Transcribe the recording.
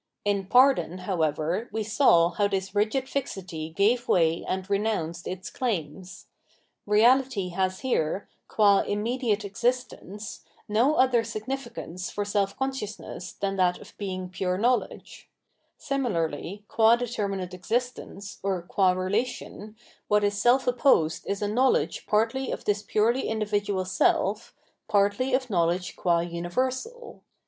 In pardon, however, we saw how this rigid fixity gave way and renounced its claims. Reality has here, qua immediate existence, no other significance for self consciousness than that of being pure knowledge ; similarly, qua determinate existence, or qua relation, what is self opposed is a knowledge partly of this purely individual self, partly of knowledge qua universal.